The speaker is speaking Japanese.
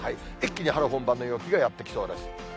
一気に春本番の陽気がやって来そうです。